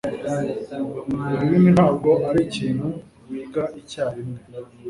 Ururimi ntabwo arikintu wiga icyarimwe.